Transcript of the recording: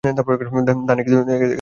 ধানে ক্ষেতে দিতে হবে।